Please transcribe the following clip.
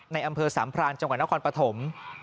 ในอำเภอสามพรานจังหวัดนครปฐม